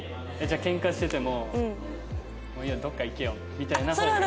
じゃあケンカしてても「もういいよどっか行けよ」みたいな方が？